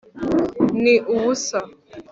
ni ubusa